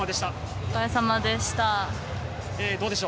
お疲れさまでした。